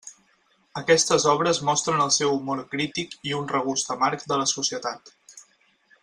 Aquestes obres mostren el seu humor crític i un regust amarg de la societat.